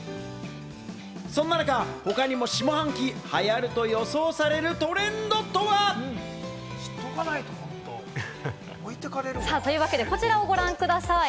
そんな中、他にも下半期、流行ると予想されるトレンドとは？というわけでこちらをご覧ください。